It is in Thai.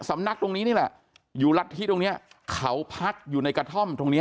สำนักตรงนี้นี่แหละอยู่รัฐที่ตรงเนี้ยเขาพักอยู่ในกระท่อมตรงนี้